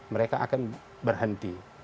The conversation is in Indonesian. mereka akan berhenti